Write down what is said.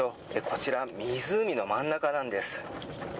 こちら湖の真ん中なんです。